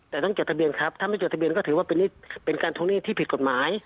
แต่ต้องจดทะเบียนครับถ้าไม่จดทะเบียนก็ถือว่าเป็นการทวงหนี้ที่ผิดกฎหมาย